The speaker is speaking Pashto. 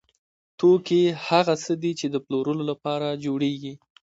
توکي هغه څه دي چې د پلورلو لپاره جوړیږي.